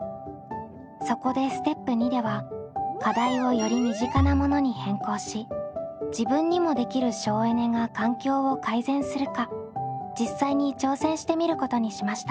そこでステップ②では課題をより身近なものに変更し自分にもできる省エネが環境を改善するか実際に挑戦してみることにしました。